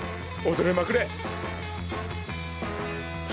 踊れまくれ。